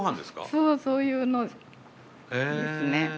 そうそういうのですね。